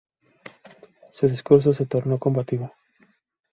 Su discurso se tornó combativo.